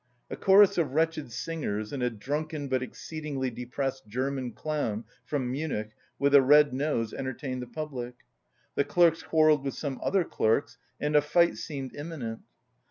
A chorus of wretched singers and a drunken but exceedingly depressed German clown from Munich with a red nose entertained the public. The clerks quarrelled with some other clerks and a fight seemed imminent.